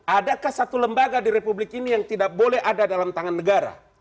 adakah satu lembaga di republik ini yang tidak boleh ada dalam tangan negara